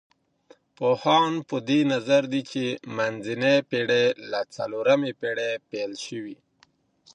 پوهان په دې نظر دي چي منځنۍ پېړۍ له څلورمې پېړۍ پيل سوې.